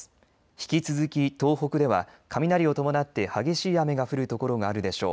引き続き東北では雷を伴って激しい雨が降る所があるでしょう。